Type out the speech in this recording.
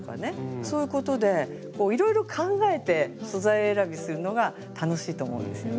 そういうことでいろいろ考えて素材選びするのが楽しいと思うんですよね。